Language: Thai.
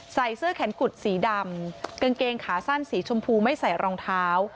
ใส่เสื้อแขนกุดสีดำกางเกงขาสั้นสีชมพูไม่ใส่รองเท้า